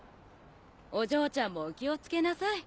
お嬢ちゃんも気を付けなさい。